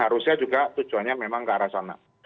harusnya juga tujuannya memang ke arah sana